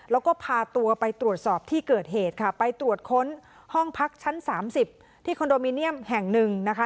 แล้วก็พาตัวไปตรวจสอบที่เกิดเหตุค่ะไปตรวจค้นห้องพักชั้น๓๐ที่คอนโดมิเนียมแห่งหนึ่งนะคะ